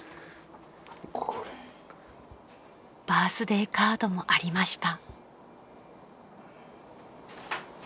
［バースデーカードもありました］